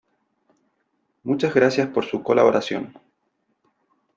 Muchas gracias por su colaboración.